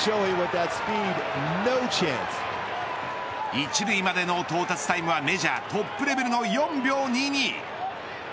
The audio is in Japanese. １塁までの到達タイムはメジャートップレベルの４秒２２。